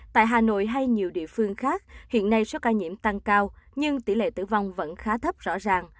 tại hà nội hay nhiều địa phương khác hiện nay số ca nhiễm tăng cao nhưng tỷ lệ tử vong vẫn khá thấp rõ ràng